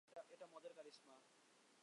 এটা মদের কারিশমা।